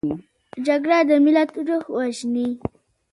جګړه د ملت روح وژني